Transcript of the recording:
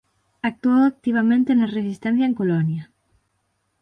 Actuou activamente na Resistencia en Colonia.